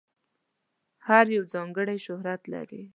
هر یو ځانګړی شهرت لري.